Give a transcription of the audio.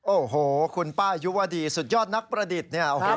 โอ้โหคุณป้ายุวดีสุดยอดนักประดิษฐ์